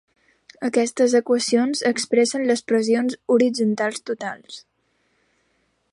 Aquestes equacions expressen les pressions horitzontals totals.